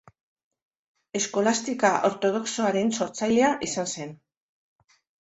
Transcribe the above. Eskolastika ortodoxoaren sortzailea izan zen.